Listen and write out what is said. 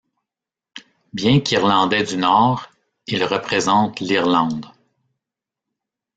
Bien qu'Irlandais du Nord, il représente l'Irlande.